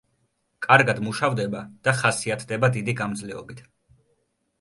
კარგად მუშავდება და ხასიათდება დიდი გამძლეობით.